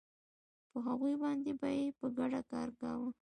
په هغوی باندې به یې په ګډه کار کاوه